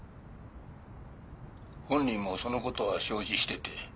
「本人もその事は承知してて」